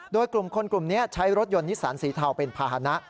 โดยกลุ่มคนกลุ่มนี้ใช้รถยนต์นิสันสีเทาเป็นภาษณะ